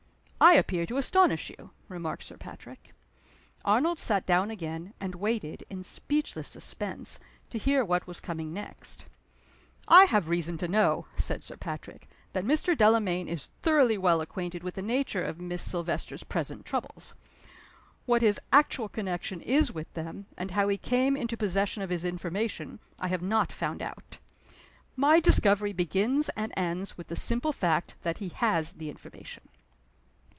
"I appear to astonish you," remarked Sir Patrick. Arnold sat down again, and waited, in speechless suspense, to hear what was coming next. "I have reason to know," said Sir Patrick, "that Mr. Delamayn is thoroughly well acquainted with the nature of Miss Silvester's present troubles. What his actual connection is with them, and how he came into possession of his information, I have not found out. My discovery begins and ends with the simple fact that he has the information."